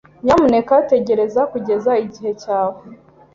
Nyamuneka tegereza kugeza igihe cyawe.